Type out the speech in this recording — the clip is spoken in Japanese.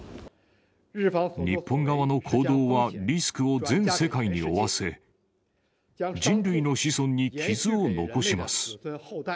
日本側の行動はリスクを全世界に負わせ、人類の子孫に傷を残